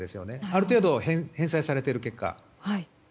ある程度、返済されている結果。